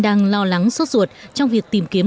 đang lo lắng suốt ruột trong việc tìm kiếm